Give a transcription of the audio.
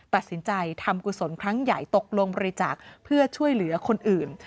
ตัดสินใจทำกุศลครั้งใหญ่ตกลงบริจาคเพื่อช่วยเหลือคนอื่น